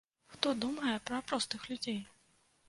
Хто думае пра простых людзей?